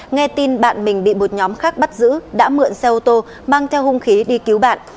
nghe tin bạn mình bị một nhóm khác bắt giữ đã mượn xe ô tô mang theo hung khí đi cứu bạn